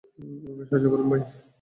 আমাকে সাহায্য করুন, ভাই।